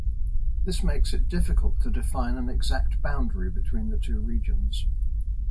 This makes it difficult to define an exact boundary between the two regions.